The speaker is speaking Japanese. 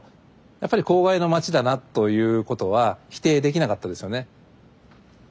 やっぱり公害の街だなということは否定できなかったですよね。